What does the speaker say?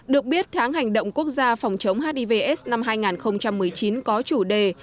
được biết tháng hành động quốc gia phòng chống hivs năm hai nghìn một mươi chín có chủ đề